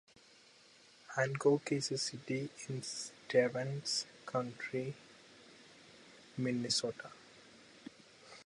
Hancock is a city in Stevens County, Minnesota.